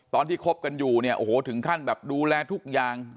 คบกันอยู่เนี่ยโอ้โหถึงขั้นแบบดูแลทุกอย่าง